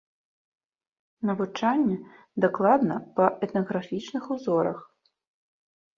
Навучанне дакладна па этнаграфічных узорах.